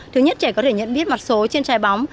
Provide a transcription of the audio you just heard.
thứ nhất trẻ có thể nhận biết mặt số trên trái bóng